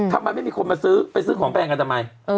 ทำไมไม่มีคนมาซื้อไปซื้อของแพงกันทำไม